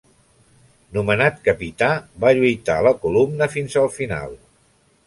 Nomenat capità, va lluitar a la columna fins al final.